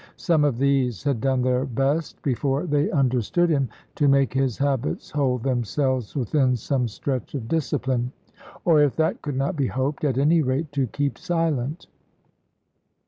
Some of these had done their best (before they understood him) to make his habits hold themselves within some stretch of discipline; or, if that could not be hoped, at any rate to keep silent.